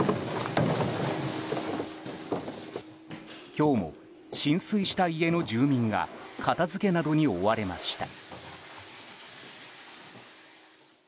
今日も浸水した住宅の住民が片付けなどに追われました。